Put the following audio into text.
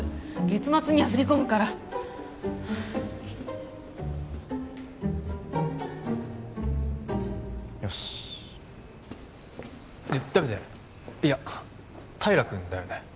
月末には振り込むからよしねえダビデいや平君だよね？